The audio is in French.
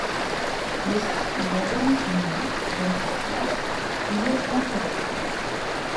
Le saint qui lui a donné son nom, Venceslas, y est enterré.